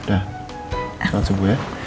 udah sholat shumbu ya